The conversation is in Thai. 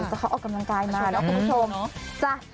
แต่เขาออกกำลังกายมานะคุณผู้ชม